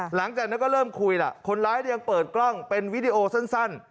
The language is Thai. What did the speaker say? หลังจากนั้นก็เริ่มคุยล่ะคนร้ายยังเปิดกล้องเป็นวิดีโอสั้น